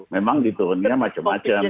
memang dituruninnya macem macem